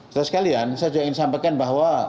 saya sekalian saya juga ingin sampaikan bahwa